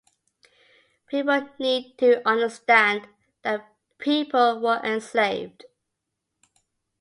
People need to understand that people were enslaved.